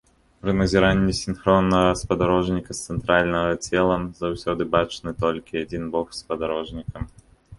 Пры назіранні сінхроннага спадарожніка з цэнтральнага цела заўсёды бачны толькі адзін бок спадарожніка.